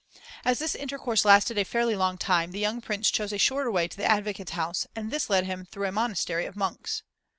As this intercourse lasted a fairly long time, the young Prince chose a shorter way to the advocate's house, and this led him through a monastery of monks.